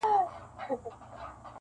چي زما پښو ته یې ځینځیر جوړ کړ ته نه وې-